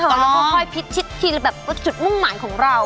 ถูกต้องแล้วก็ค่อยพิษที่แบบสุดมุ่งหมายของเรา